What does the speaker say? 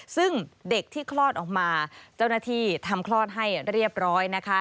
ซึ่งเด็กที่คลอดออกมาเจ้าหน้าที่ทำคลอดให้เรียบร้อยนะคะ